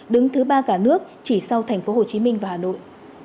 đứng thứ ba cả nước chỉ sau thành phố hồ chí minh và hà nội